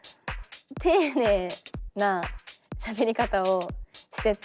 丁寧なしゃべり方をしてて。